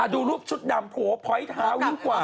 อ่ะดูรูปชุดดำโหพล้อยเท้าดีกว่า